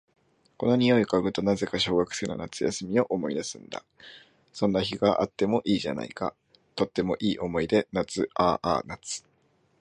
この匂いを嗅ぐと、なぜか小学生の夏休みを思い出すんだ。